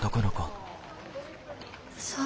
そう。